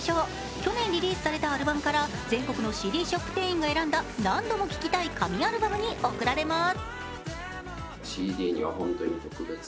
去年リリースされたアルバムから全国のＣＤショップ店員が選んだ何度も聴きたい神アルバムに贈られます。